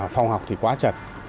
phòng học thì quá chật